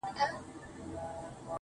سپوږميه کړنگ وهه راخېژه وايم_